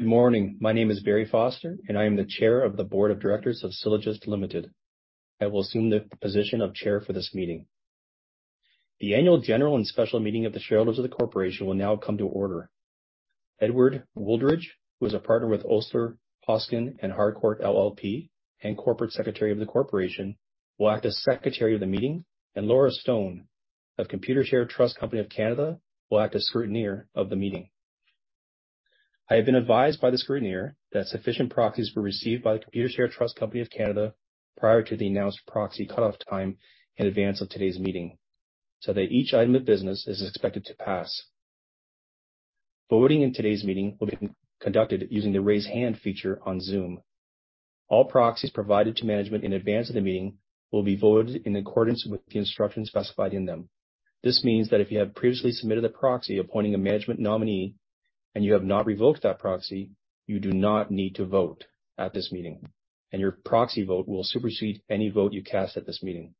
Good morning. My name is Barry Foster, and I am the Chair of the Board of Directors of Sylogist Ltd. I will assume the position of Chair for this meeting. The annual general and special meeting of the shareholders of the corporation will now come to order. Edward Wooldridge, who is a partner with Osler, Hoskin & Harcourt LLP, and corporate secretary of the corporation, will act as secretary of the meeting, and Laura Stone of Computershare Trust Company of Canada will act as scrutineer of the meeting. I have been advised by the scrutineer that sufficient proxies were received by the Computershare Trust Company of Canada prior to the announced proxy cutoff time in advance of today's meeting, so that each item of business is expected to pass. Voting in today's meeting will be conducted using the raise hand feature on Zoom. All proxies provided to management in advance of the meeting will be voted in accordance with the instructions specified in them. This means that if you have previously submitted a proxy appointing a management nominee and you have not revoked that proxy, you do not need to vote at this meeting, and your proxy vote will supersede any vote you cast at this meeting.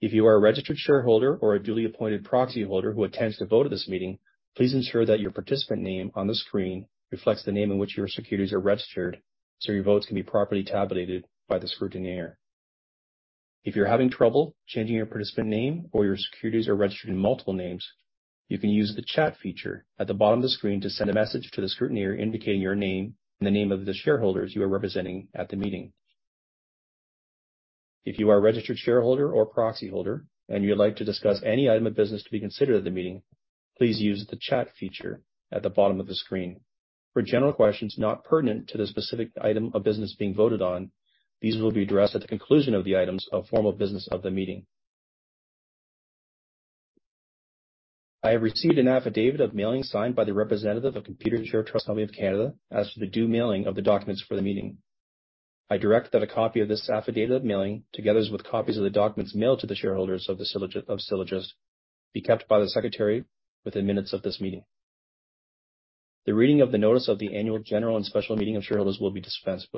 If you are a registered shareholder or a duly appointed proxy holder who intends to vote at this meeting, please ensure that your participant name on the screen reflects the name in which your securities are registered so your votes can be properly tabulated by the scrutineer. If you're having trouble changing your participant name or your securities are registered in multiple names, you can use the chat feature at the bottom of the screen to send a message to the scrutineer indicating your name and the name of the shareholders you are representing at the meeting. If you are a registered shareholder or proxy holder and you would like to discuss any item of business to be considered at the meeting, please use the chat feature at the bottom of the screen. For general questions not pertinent to the specific item of business being voted on, these will be addressed at the conclusion of the items of formal business of the meeting. I have received an affidavit of mailing signed by the representative of Computershare Trust Company of Canada as to the due mailing of the documents for the meeting. I direct that a copy of this affidavit of mailing, together with copies of the documents mailed to the shareholders of Sylogist, be kept by the secretary with the minutes of this meeting. The reading of the notice of the annual general and special meeting of shareholders will be dispensed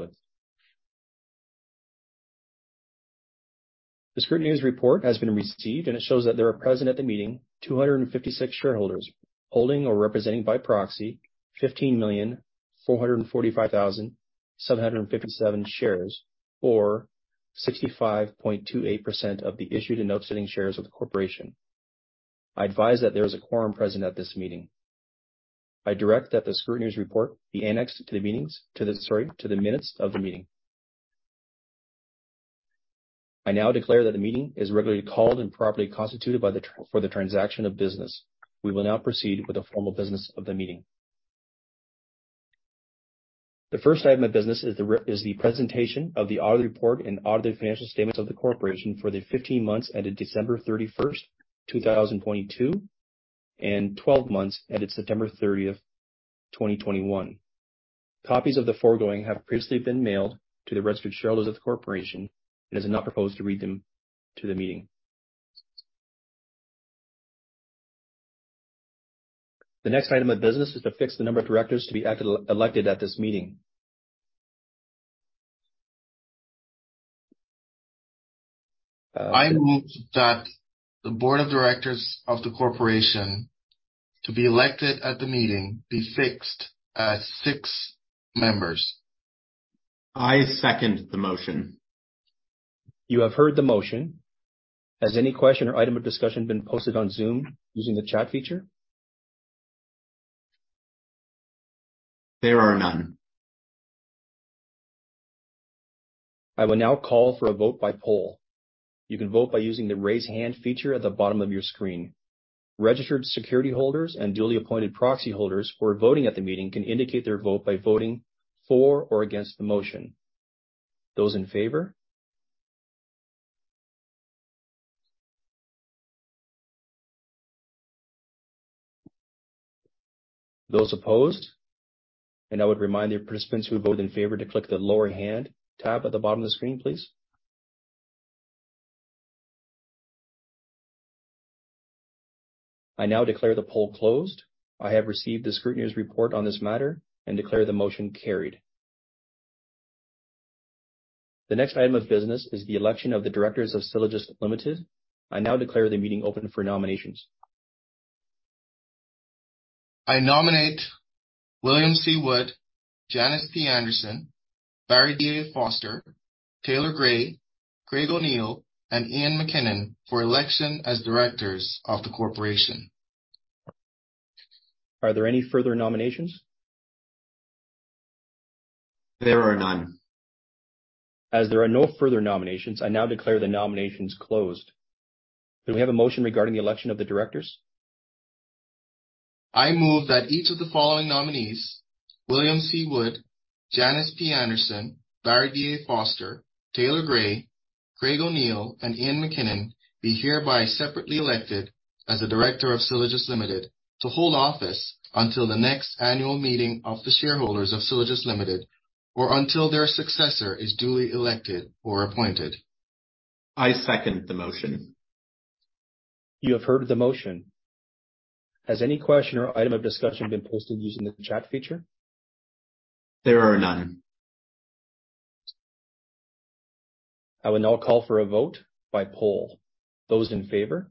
with. The scrutineer's report has been received, and it shows that there are present at the meeting 256 shareholders holding or representing by proxy 15,445,757 shares, or 65.28% of the issued and outstanding shares of the corporation. I advise that there is a quorum present at this meeting. I direct that the scrutineer's report be annexed to the minutes of the meeting. I now declare that the meeting is regularly called and properly constituted for the transaction of business. We will now proceed with the formal business of the meeting. The first item of business is the presentation of the audit report and audited financial statements of the corporation for the 15 months ended December 31st, 2022 and 12 months ended September 30th, 2021. Copies of the foregoing have previously been mailed to the registered shareholders of the corporation and it is not proposed to read them to the meeting. The next item of business is to fix the number of directors to be elected at this meeting. I move that the board of directors of the corporation to be elected at the meeting be fixed at six members. I second the motion. You have heard the motion. Has any question or item of discussion been posted on Zoom using the chat feature? There are none. I will now call for a vote by poll. You can vote by using the raise hand feature at the bottom of your screen. Registered security holders and duly appointed proxy holders who are voting at the meeting can indicate their vote by voting for or against the motion. Those in favor? Those opposed? I would remind the participants who voted in favor to click the lower hand tab at the bottom of the screen, please. I now declare the poll closed. I have received the scrutineer's report on this matter and declare the motion carried. The next item of business is the election of the directors of Sylogist Ltd. I now declare the meeting open for nominations. I nominate William C. Wood, Janice P. Anderson, Barry D.A. Foster, Taylor Gray, Craig O'Neill, and Ian McKinnon for election as directors of the corporation. Are there any further nominations? There are none. As there are no further nominations, I now declare the nominations closed. Do we have a motion regarding the election of the directors? I move that each of the following nominees, William C. Wood, Janice P. Anderson, Barry D.A. Foster, Taylor Gray, Craig O'Neill, and Ian McKinnon, be hereby separately elected as a director of Sylogist Ltd. to hold office until the next annual meeting of the shareholders of Sylogist Ltd., or until their successor is duly elected or appointed. I second the motion. You have heard the motion. Has any question or item of discussion been posted using the chat feature? There are none. I will now call for a vote by poll. Those in favor?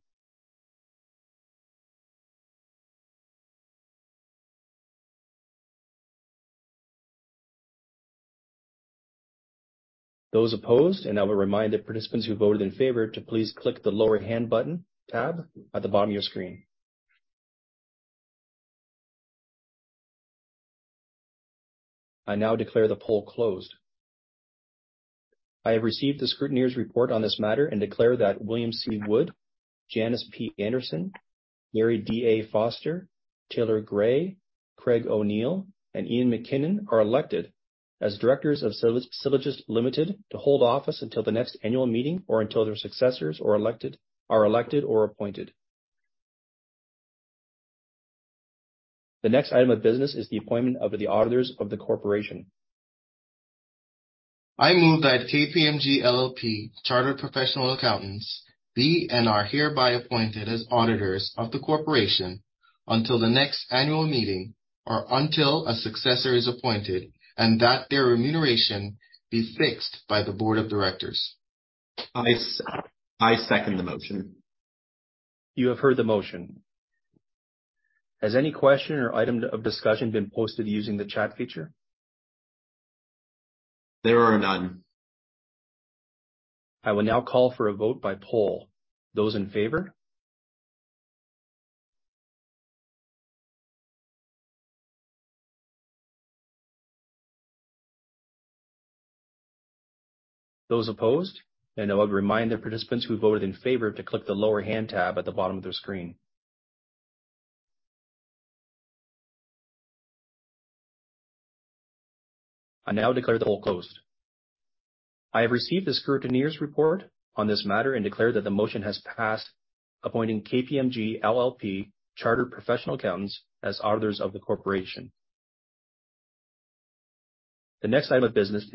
Those opposed? I will remind the participants who voted in favor to please click the lower hand button tab at the bottom of your screen. I now declare the poll closed. I have received the scrutineer's report on this matter and declare that William C. Wood, Janice P. Anderson, Barry D.A. Foster, Taylor Gray, Craig O'Neill, and Ian McKinnon are elected as directors of Sylogist Ltd. to hold office until the next annual meeting or until their successors are elected or appointed. The next item of business is the appointment of the auditors of the corporation. I move that KPMG LLP Chartered Professional Accountants be and are hereby appointed as auditors of the corporation until the next annual meeting or until a successor is appointed, and that their remuneration be fixed by the board of directors. I second the motion. You have heard the motion. Has any question or item of discussion been posted using the chat feature? There are none. I will now call for a vote by poll. Those in favor? Those opposed? I would remind the participants who voted in favor to click the lower hand tab at the bottom of their screen. I now declare the poll closed. I have received the scrutineer's report on this matter and declare that the motion has passed, appointing KPMG LLP Chartered Professional Accountants as auditors of the corporation. The next item of business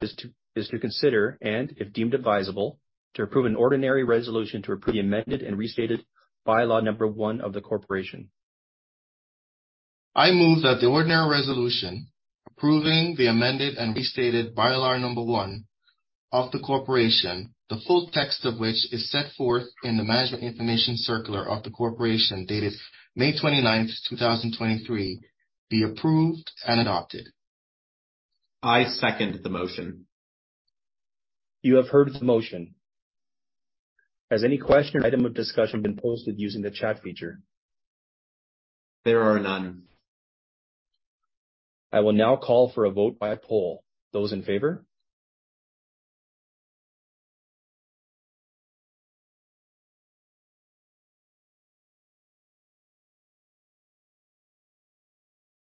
is to consider, and if deemed advisable, to approve an ordinary resolution to approve the Amended and Restated By-Law Number One of the corporation. I move that the ordinary resolution approving the Amended and Restated By-Law Number One of the corporation, the full text of which is set forth in the management information circular of the corporation, dated May 29th, 2023, be approved and adopted. I second the motion. You have heard the motion. Has any question or item of discussion been posted using the chat feature? There are none. I will now call for a vote by poll. Those in favor?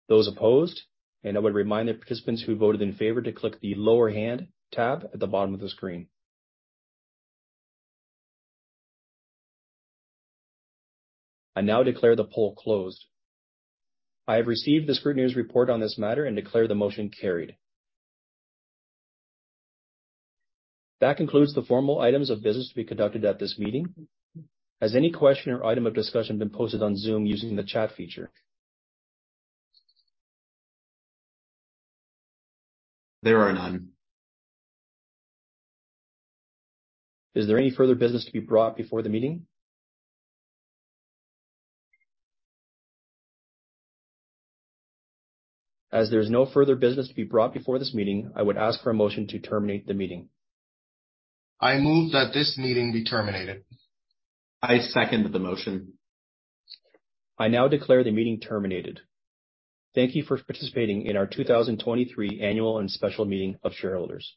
Those opposed? I would remind the participants who voted in favor to click the lower hand tab at the bottom of the screen. I now declare the poll closed. I have received the scrutineer's report on this matter and declare the motion carried. That concludes the formal items of business to be conducted at this meeting. Has any question or item of discussion been posted on Zoom using the chat feature? There are none. Is there any further business to be brought before the meeting? As there's no further business to be brought before this meeting, I would ask for a motion to terminate the meeting. I move that this meeting be terminated. I second the motion. I now declare the meeting terminated. Thank you for participating in our 2023 Annual and Special Meeting of Shareholders.